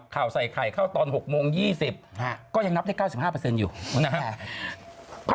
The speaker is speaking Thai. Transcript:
ข่าวใส่ไข่เข้าตอน๖โมง๒๐ก็ยังนับได้๙๕อยู่นะครับ